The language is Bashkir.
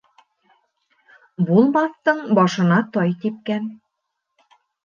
Булмаҫтың башына тай типкән.